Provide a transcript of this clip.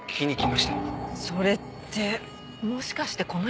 それってもしかしてこの人？